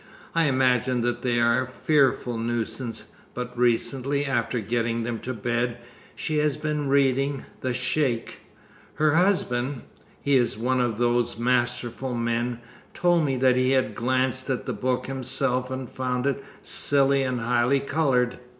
I imagine that they are a fearful nuisance, but recently, after getting them to bed, she has been reading "The Sheik." Her husband he is one of these masterful men told me that he had glanced at the book himself and found it silly and highly colored.